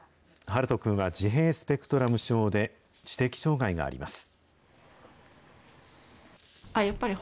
陽斗君は自閉スペクトラム症で、知的障害があります。